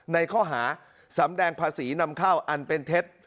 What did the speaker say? ในข้อหาสำแดงภาษีนำเข้าอันเป็นเท็จ